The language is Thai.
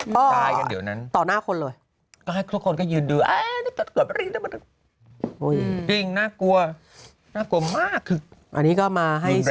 ก็ต่อหน้าคนเลยก็ให้ทุกคนก็ยืนดูอ้าวจริงน่ากลัวน่ากลัวมากคืออันนี้ก็มาให้